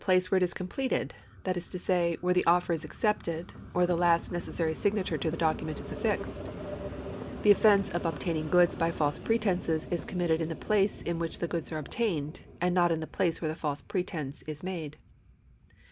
184 ; Reg. v. Keyn, 2 Ex. D. G3. §131] LIABILITY 331 whore it is completed, that is to say, where llie offer is accepted ' or the last necessary signature to the dociunent is allixed. The offence of ob taining goods by false pretences is coniniitted in tlie place in wliich the goods are obtained ^ and not in the ])lace where the false pretence is made.